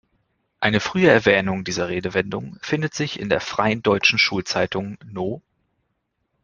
Eine frühe Erwähnung dieser Redewendung findet sich in der "Freien deutschen Schulzeitung", No.